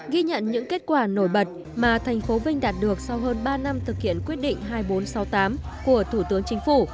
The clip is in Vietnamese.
ghi nhận những kết quả nổi bật mà thành phố vinh đạt được sau hơn ba năm thực hiện quyết định hai nghìn bốn trăm sáu mươi tám của thủ tướng chính phủ